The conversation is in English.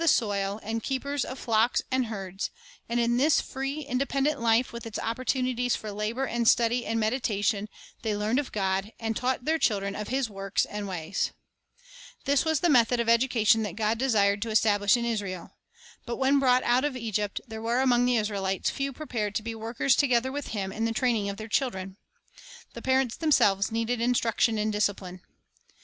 (33) The Family School Conditions 34 Illustrations, The Training in the Wilderness To Encourage Faith Surroundings at Sinai keepers of flocks and herds; and in this free, independent life, with its opportunities for labor and study and medi tation, they learned of God, and taught their children of His works and ways. This was the method of education that God de sired to establish in Israel. But when brought out of Egypt there were among the Israelites few prepared to be workers together with Him in the training of their children. The parents themselves needed instruction and discipline.